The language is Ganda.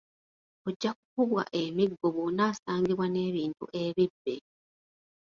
Ojja kukubwa emiggo bw’onaasangibwa n’ebintu ebibbe.